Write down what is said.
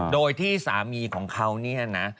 โดยที่สามีของเขาเนี่ยนะ